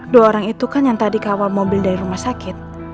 dua orang itu kan yang tadi kawal mobil dari rumah sakit